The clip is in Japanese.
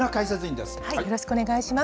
よろしくお願いします。